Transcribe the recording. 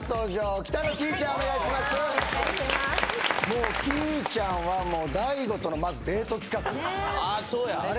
もうきいちゃんは大悟とのまずデート企画あ